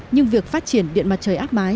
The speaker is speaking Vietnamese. nhưng việc phát triển điện mặt trời áp mái